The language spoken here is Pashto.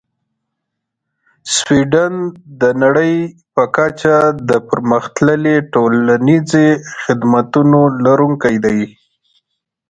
سویدن د نړۍ په کچه د پرمختللې ټولنیزې خدمتونو لرونکی دی.